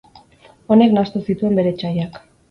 Honek nahastu zituen bere etsaiak.